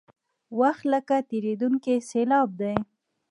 وخت لکه تېرېدونکې سیلاب دی.